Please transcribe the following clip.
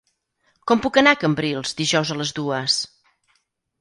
Com puc anar a Cambrils dijous a les dues?